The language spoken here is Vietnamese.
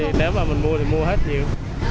xe này nếu mà mình mua thì mua hết nhiêu